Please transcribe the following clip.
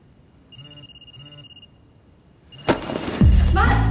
待って！